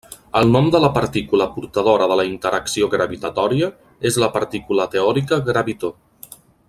El nom de la partícula portadora de la interacció gravitatòria és la partícula teòrica gravitó.